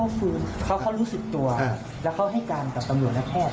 มาเลิกกันนี้แฟนกันสามีคนแรก